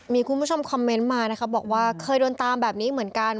มีคุณผู้ชมคอมเมนต์มานะคะบอกว่าเคยโดนตามแบบนี้เหมือนกัน